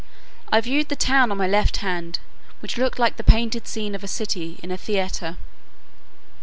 I viewed the town on my left hand, which looked like the painted scene of a city in a theatre.